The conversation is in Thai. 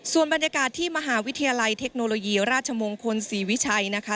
ส่วนบรรยากาศที่มหาวิทยาลัยเทคโนโลยีราชมงคลศรีวิชัยนะคะ